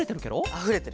あふれてる。